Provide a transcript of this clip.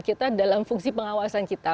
kita dalam fungsi pengawasan kita